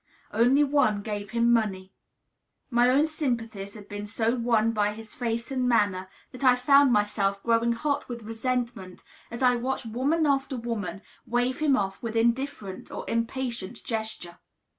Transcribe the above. Only one gave him money. My own sympathies had been so won by his face and manner that I found myself growing hot with resentment as I watched woman after woman wave him off with indifferent or impatient gesture.